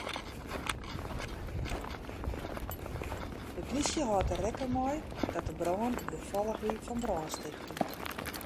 De plysje hâldt der rekken mei dat de brân it gefolch wie fan brânstichting.